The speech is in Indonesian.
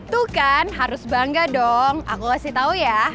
tuh kan harus bangga dong aku kasih tau ya